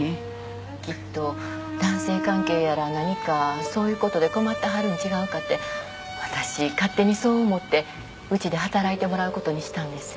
きっと男性関係やら何かそういうことで困ってはるん違うかて私勝手にそう思ってうちで働いてもらうことにしたんです。